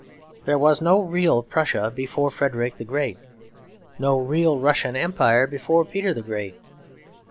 There was no real Prussia before Frederick the Great; no real Russian Empire before Peter the Great.